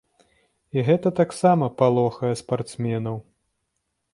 І гэта таксама палохае спартсменаў.